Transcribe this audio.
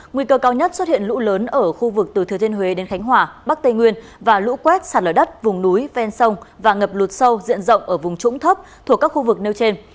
nguy cơ cao nhất xuất hiện lũ lớn ở khu vực từ thừa thiên huế đến khánh hòa bắc tây nguyên và lũ quét sạt lở đất vùng núi ven sông và ngập lụt sâu diện rộng ở vùng trũng thấp thuộc các khu vực nêu trên